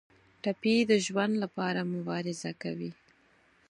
ټپي د ژوند لپاره مبارزه کوي.